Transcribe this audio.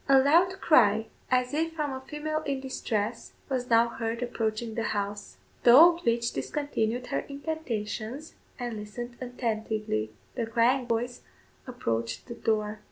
A loud cry, as if from a female in distress, was now heard approaching the house; the old witch discontinued her incantations, and listened attentively. The crying voice approached the door.